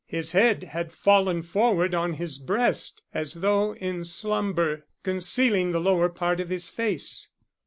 His head had fallen forward on his breast as though in slumber, concealing the lower part of his face.